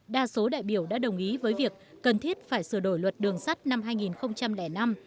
đa số đại biểu đã đồng ý với việc cần thiết phải sửa đổi luật đường sắt năm hai nghìn năm